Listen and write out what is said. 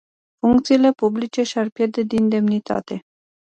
Funcțiile publice și-ar pierde din demnitate.